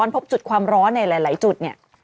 พบจุดความร้อนในหลายจุดเนี่ย